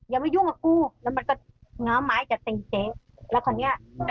ยังไม่ยุ่งกับกู้แล้วมันก็ง้าไม้จัดเจ๊แล้วคราวเนี้ย